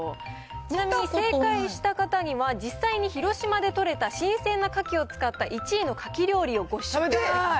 ちなみに正解した方には、実際に広島で取れた新鮮なカキを使った１位のカキ料理をご試食い食べたい。